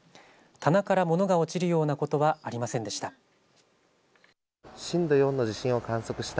棚からものが落ちるようなことはありませんでした。